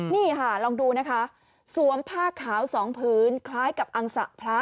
นี่ค่ะลองดูนะคะสวมผ้าขาวสองพื้นคล้ายกับอังสะพระ